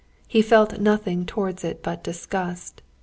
He felt nothing towards it but disgust.